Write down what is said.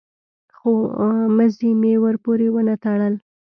خو مزي مې ورپورې ونه تړل.